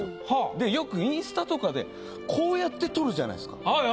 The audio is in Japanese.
でよく「インスタ」とかでこうやって撮るじゃないっすか。